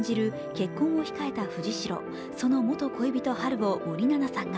結婚を控えた藤代、その元恋人・春を森七菜さんが。